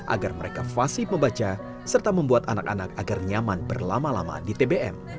agar mereka fasib membaca serta membuat anak anak agar nyaman berlama lama di tbm